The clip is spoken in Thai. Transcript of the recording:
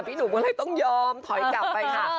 พี่หนุ่มก็เลยต้องยอมถอยกลับไปค่ะ